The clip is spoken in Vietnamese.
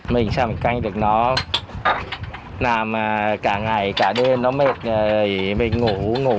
mình sao mình canh được nó làm cả ngày cả đêm nó mệt rồi mình ngủ ngủ